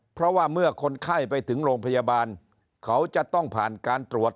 เพราะว่าเมื่อคนไข้ไปถึงโรงพยาบาลเขาจะต้องผ่านการตรวจ